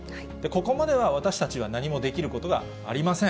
ここまでは、私たちは何もできることはありません。